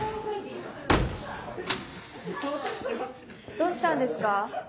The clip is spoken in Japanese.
どうしたんですか？